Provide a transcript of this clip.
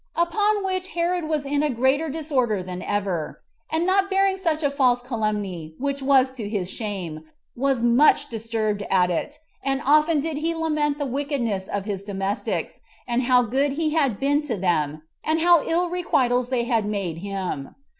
Upon which Herod was in a greater disorder than ever; and not bearing such a false calumny, which was to his shame, was much disturbed at it; and often did he lament the wickedness of his domestics, and how good he had been to them, and how ill requitals they had made him.